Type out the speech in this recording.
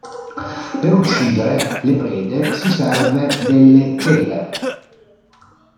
Per uccidere le prede si serve delle chele.